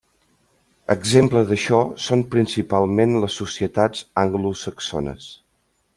Exemple d'això són principalment les societats anglosaxones.